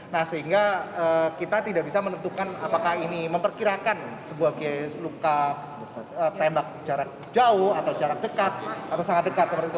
nah sehingga kita tidak bisa menentukan apakah ini memperkirakan sebagai luka tembak jarak jauh atau jarak dekat atau sangat dekat seperti itu